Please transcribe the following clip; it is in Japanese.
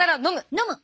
飲む！